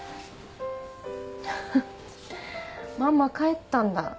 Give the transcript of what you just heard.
ハハッママ帰ったんだ。